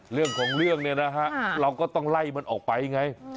เรื่องของเรื่องเนี่ยนะฮะเราก็ต้องไล่มันออกไปไง